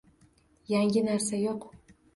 Yangi narsa yo‘q